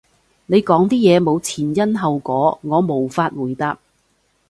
你講啲嘢冇前因後果，我無法回答